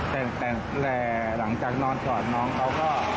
แต่ตั้งแต่หลังจากนอนชอตน้องเขา